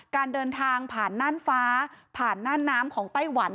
การเดินทางผ่านน่านฟ้าผ่านหน้าน้ำของไต้หวัน